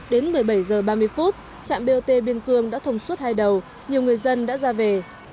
đến một mươi bảy h ba mươi trạm bot biên cương đã thông suốt hai đầu nhiều người dân đã ra về